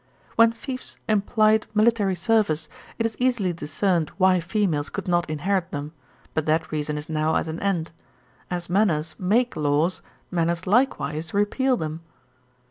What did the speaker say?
When fiefs implied military service, it is easily discerned why females could not inherit them; but that reason is now at an end. As manners make laws, manners likewise repeal them.